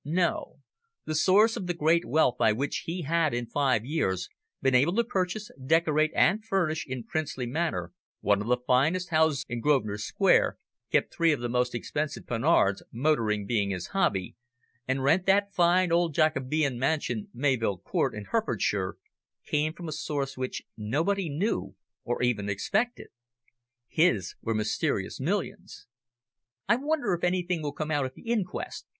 No. The source of the great wealth by which he had, in five years, been able to purchase, decorate and furnish in princely manner one of the finest houses in Grosvenor Square, keep three of the most expensive Panhards, motoring being his hobby, and rent that fine old Jacobean mansion Mayvill Court, in Herefordshire, came from a source which nobody knew or even suspected. His were mysterious millions. "I wonder if anything will come out at the inquest?"